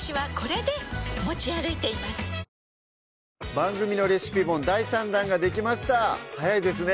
番組のレシピ本第３弾ができました早いですね